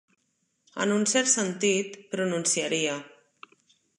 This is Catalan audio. En un cert sentit, pronunciaria.